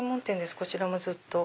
こちらもずっと。